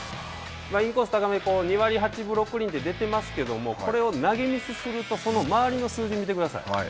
インコース高め、２割８分６厘って出てますけどもこれを投げミスするとその周りの数字見てください。